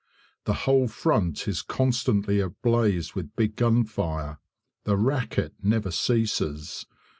The whole front is constantly ablaze with big gunfire; the racket never ceases.